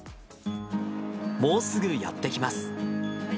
もうすぐやって来ます。